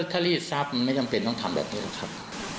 ถ้ารีดทรัพย์มันไม่จำเป็นต้องทำแบบนี้หรอกครับ